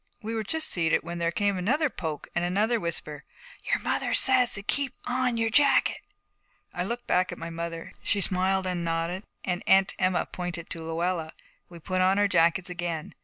We were just seated when there came another poke and another whisper. 'Your mother says to keep on your jacket. I looked back at my mother. She smiled and nodded, and Aunt Emma pointed to Luella. We put on our jackets again.